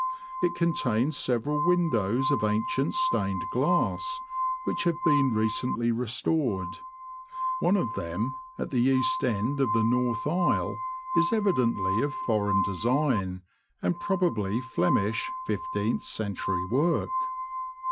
It contains several windows of ancient stained glass, which have been recently restored One of them, at the east end of the north aisle, is evidently of foreign design, and probably Flemish fifteenth century work.